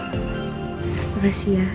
terima kasih ya